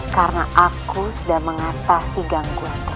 karena aku sudah mengatasi gangguanmu